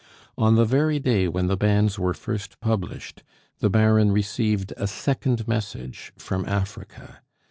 On the very day when the banns were first published, the Baron received a second message from Africa.